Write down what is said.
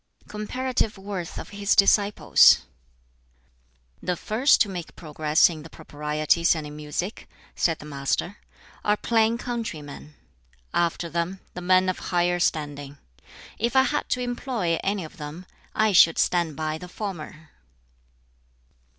] BOOK XI Comparative Worth of His Disciples "The first to make progress in the Proprieties and in Music," said the Master, "are plain countrymen; after them, the men of higher standing. If I had to employ any of them, I should stand by the former."